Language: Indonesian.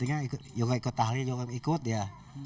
dan dia ini waktu hari itu juga ikut ahlin juga ikut ya